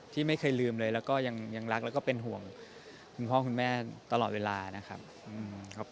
ที่ไม่เคยลืมเลยแล้วก็ยังรักแล้วก็เป็นห่วงคุณพ่อคุณแม่ตลอดเวลานะครับ